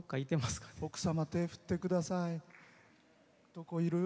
奥様、手、振ってください。